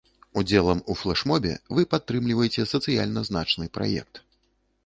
Удзелам у флэшмобе вы падтрымліваеце сацыяльна значны праект.